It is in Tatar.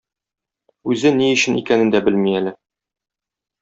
Үзе ни өчен икәнен дә белми әле.